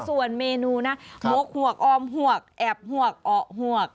ส่วนเมนูนะหมวกหวกออมหวกแอบหวกออกหวก